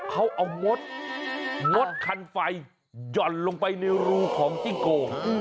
เขาเอามดมดคันไฟหย่อนลงไปในรูของจิ้งโก